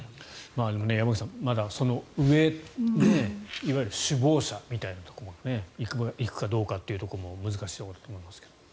山口さんまだその上いわゆる首謀者というところまで行くかどうかというところも難しいところだと思いますが。